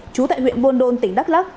chú tại huyện buôn đôn tỉnh đắk lắc